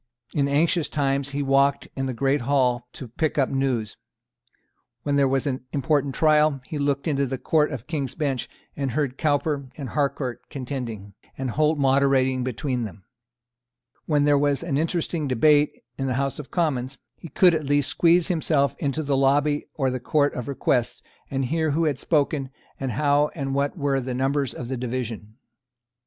In anxious times he walked in the great Hall to pick up news. When there was an important trial, he looked into the Court of King's Bench, and heard Cowper and Harcourt contending, and Holt moderating between them. When there was an interesting debate, in the House of Commons, he could at least squeeze himself into the lobby or the Court of Requests, and hear who had spoken, and how and what were the numbers on the division.